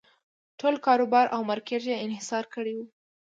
ټول کاروبار او مارکېټ یې انحصار کړی و.